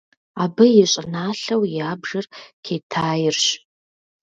Абы и щӏыналъэу ябжыр Китайрщ.